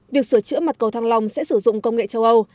việc sửa chữa mặt cầu thăng long sẽ sử dụng công nghệ châu âu